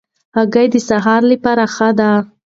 هګۍ د سهار لپاره ښې دي.